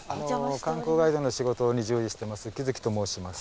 観光ガイドの仕事に従事してます城と申します。